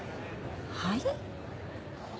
はい？